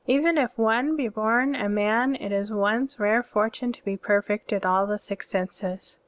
* Even if one be bom a man, it is one's rare fortune to be perfect in all the six senses.